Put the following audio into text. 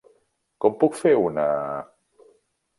Com puc fer una...?